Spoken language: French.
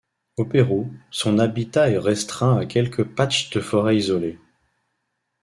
Au Pérou, son habitat est restreint à quelques patchs de forêt isolés.